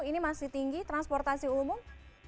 ini masih tinggi transportasi umum